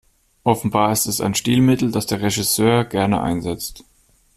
Offenbar ist es ein Stilmittel, das der Regisseur gerne einsetzt.